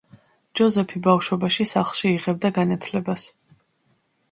ჯოზეფი, ბავშვობაში, სახლში იღებდა განათლებას.